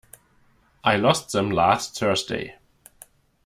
I lost them last Thursday.